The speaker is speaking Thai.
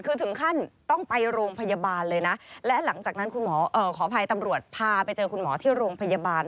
คือถึงขั้นต้องไปโรงพยาบาลเลยนะและหลังจากนั้นคุณหมอขออภัยตำรวจพาไปเจอคุณหมอที่โรงพยาบาล